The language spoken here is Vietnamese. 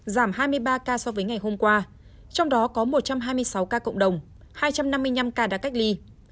giảm hai mươi ba ca so với ngày hôm qua trong đó có một trăm hai mươi sáu ca cộng đồng hai trăm năm mươi năm ca đã cách ly